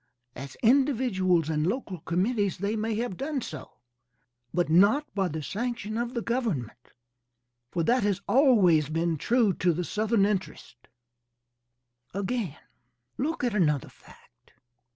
As individuals and local committees they may have done so, but not by the sanction of government, for that has always been true to the Southern interests. Again, look at another fact.